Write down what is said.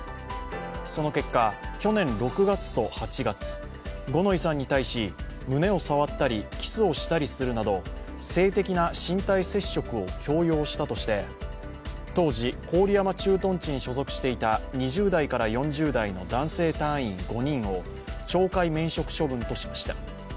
その結果、去年６月と８月、五ノ井さんに対し胸を触ったり、キスをしたりするなど性的な身体接触を強要したとして当時、郡山駐屯地に所属していた２０代から４０代の男性隊員５人を懲戒免職処分としました。